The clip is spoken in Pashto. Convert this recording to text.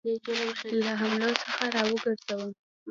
له حملو څخه را وګرځوم.